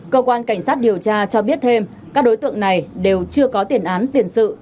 cơ quan cảnh sát điều tra cho biết thêm các đối tượng này đều chưa có tiền án tiền sự